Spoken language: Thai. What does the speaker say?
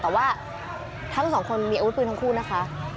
แต่ว่าทั้งสองคนมีอาวุธปืนทั้งคู่นะคะ